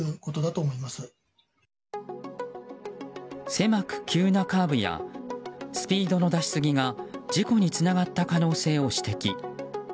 狭く急なカーブやスピードの出しすぎが事故につながった可能性を指摘。